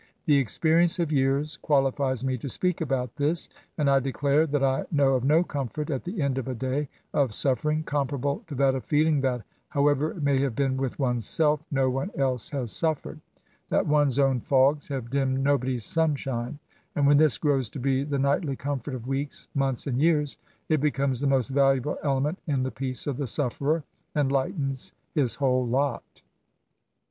The experience of years quali fies me to speak about this ; and I declare that I know of no comfort, at the end of a day of suffer ing, comparable to that of feeling that, however it may have been with one's self, no one else has suffered, — that one's own fogs Have dimmed nobody's sunshine : and when this grows to be the nightly comfort of weeks, months, and years, it becomes the most valuable element in the peace of the sufferer, and lightens his whole lot.